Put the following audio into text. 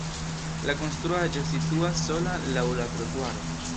La konstruaĵo situas sola laŭ la trotuaro.